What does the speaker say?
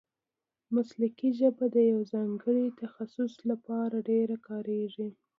مسلکي ژبه د یوه ځانګړي تخصص له پاره ډېره کاریږي.